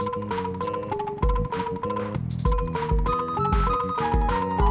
nggak kau buang aku punya